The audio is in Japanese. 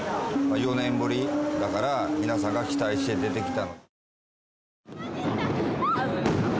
４年ぶりだから、皆さんが期待して出てきた。